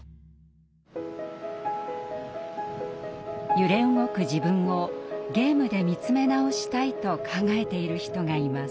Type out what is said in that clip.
揺れ動く自分をゲームで見つめ直したいと考えている人がいます。